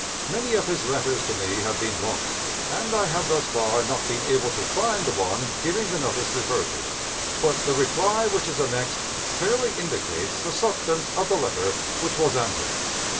Many of his letters to me have been lost, and I have thus far not been able to find the one giving the notice referred to, but the reply which is annexed clearly indicates the substance of the letter which was answered.